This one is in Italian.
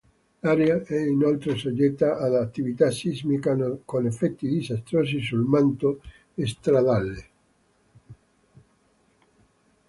L'area è inoltre soggetta ad attività sismica con effetti disastrosi sul manto stradale.